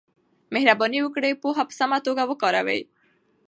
مهرباني وکړئ پوهه په سمه توګه وکاروئ.